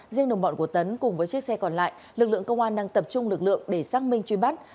riêng đồng bọn của tấn cùng với chiếc xe còn lại lực lượng công an đang tập trung lực lượng để xác minh truy bắt